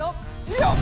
よっ！